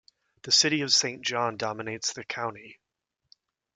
The city of Saint John dominates the county.